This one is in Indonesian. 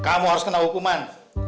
kamu harus kena hukuman